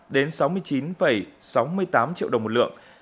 đến sáu mươi chín sáu mươi tám triệu đồng một lượng